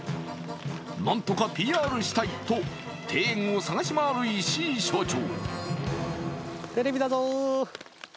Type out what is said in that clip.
なんとかＰＲしたいと庭園を探し回る石井所長。